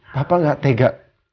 papa gak tega